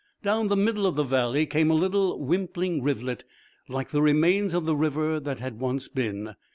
Down the middle of the valley came a little wimpling rivulet like the remains of the river that had once been.